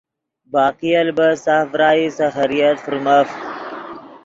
باقی البت ساف ڤرائی سے خیریت فرمف۔